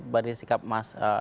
tadi sikap mas